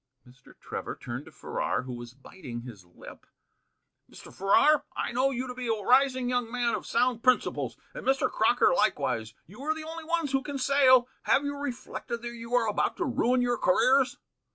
Mr. Trevor turned to Farrar, who was biting his lip. "Mr. Farrar, I know you to be a rising young man of sound principles, and Mr. Crocker likewise. You are the only ones who can sail. Have you reflected that you are about to ruin your careers?"